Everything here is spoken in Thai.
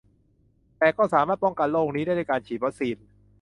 แต่ก็สามารถป้องกันโรคนี้ได้ด้วยการฉีดวัคซีน